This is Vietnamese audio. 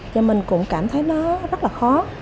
và mình cũng cảm thấy nó rất là khó